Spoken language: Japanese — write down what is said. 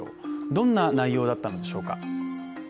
どんな内容だったのでしょうか。